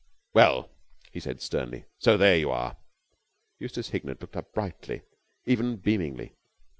"Well," he said sternly, "so there you are!" Eustace Hignett looked up brightly, even beamingly.